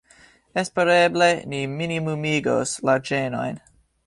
Espereble ni minimumigos la ĝenojn.